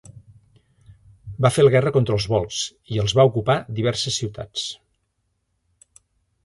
Va fer la guerra contra els volscs i els va ocupar diverses ciutats.